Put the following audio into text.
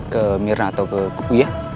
ke mirna atau keku ya